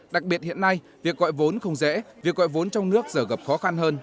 đặc biệt hiện nay việc gọi vốn không dễ việc gọi vốn trong nước giờ gặp khó khăn hơn